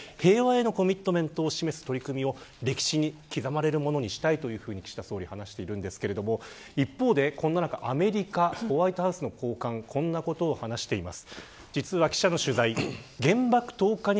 Ｇ７各地域の主要国が集い平和へのコミットメントを示す取り組みを歴史に刻まれるものにしたいと岸田総理は話していますが一方で、こんな中アメリカ、ホワイトハウスの高官こんなことを話しています。